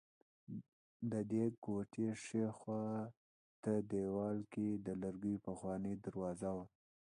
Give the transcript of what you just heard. ددې کوټې ښي خوا ته دېوال کې د لرګیو پخوانۍ دروازه وه.